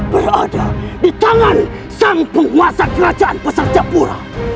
berada di tangan sang penguasa kerajaan besar jepura